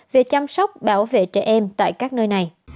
về chăm sóc bảo vệ trẻ em tại các nơi này